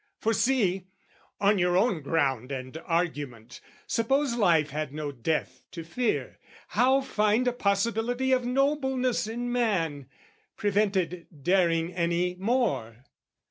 For see, on your own ground and argument, Suppose life had no death to fear, how find A possibility of nobleness In man, prevented daring any more?